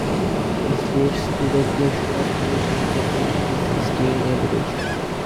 This leads to the creation of new genes and new species during evolution.